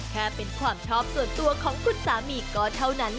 แค่เป็นความชอบส่วนตัวของคุณสามีก็เท่านั้น